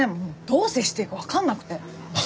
どう接していいかわかんなくて。